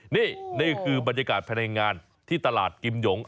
นี่คือบรรยากาศแผนงานที่ตลาดกิมหยง